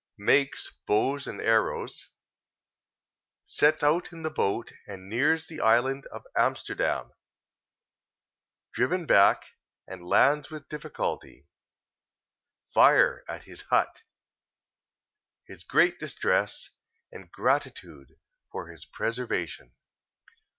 Makes Bows and Arrows—Sets out in the Boat, and nears the island of Amsterdam—Driven back, and lands with Difficulty—Fire at his Hut—His great distress, and gratitude for his Preservation.